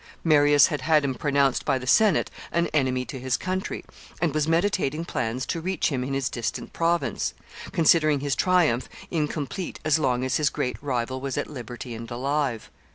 Marius had had him pronounced by the Senate an enemy to his country, and was meditating plans to reach him in his distant province, considering his triumph incomplete as long as his great rival was at liberty and alive.